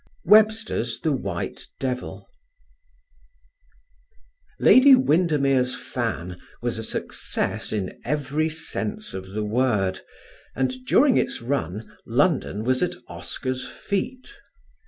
Webster's The White Devil. "Lady Windermere's Fan" was a success in every sense of the word, and during its run London was at Oscar's feet.